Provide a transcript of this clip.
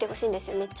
めっちゃ。